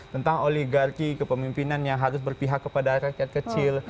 tentang oligarki kepemimpinan yang harus berpihak kepada rakyat kecil